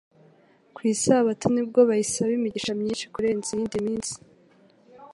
Ku Isabato nibwo bayisaba imigisha myinshi kurenza iyindi minsi